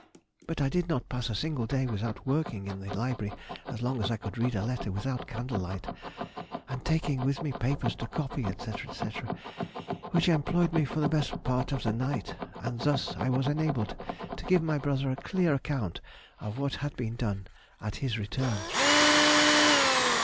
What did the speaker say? But I did not pass a single day without working in the library as long as I could read a letter without candlelight, and taking with me papers to copy, &c., &c., which employed me for best part of the night, and thus I was enabled to give my brother a clear account of what had been done at his return.